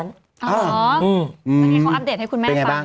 มันขออัปเดตให้คุณแม่ฟัง